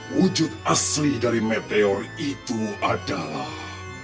wujud asli dari meteor itu adalah